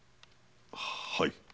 はい。